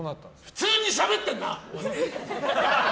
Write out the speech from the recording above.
普通にしゃべってんな！